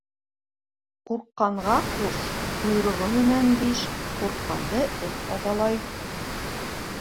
Ҡурҡҡанға ҡуш, ҡойороғо менән биш. Курҡҡанды эт абалай.